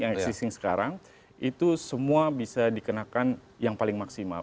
existing sekarang itu semua bisa dikenakan yang paling maksimal